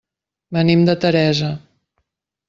Venim de Teresa.